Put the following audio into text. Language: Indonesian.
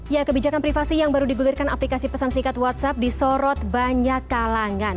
ya kebijakan privasi yang baru digulirkan aplikasi pesan singkat whatsapp disorot banyak kalangan